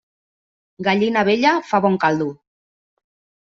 Gallina vella fa bon caldo.